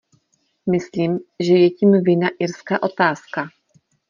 Myslím, že je tím vinna irská otázka.